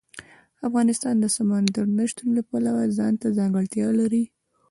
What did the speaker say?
افغانستان د سمندر نه شتون د پلوه ځانته ځانګړتیا لري.